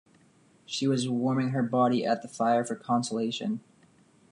She was warming her body at the fire for consolation.